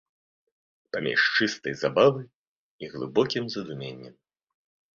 Паміж чыстай забавай і глыбокім задуменнем.